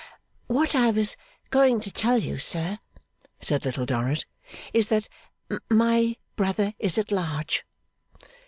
'What I was going to tell you, sir,' said Little Dorrit, 'is, that my brother is at large.